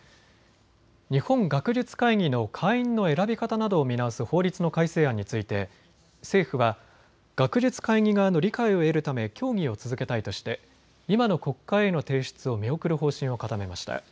日本学術会議の会員の選び方などを見直す法律の改正案について政府は学術会議側の理解を得るため協議を続けたいとして今の国会への提出を見送る方針を固めました。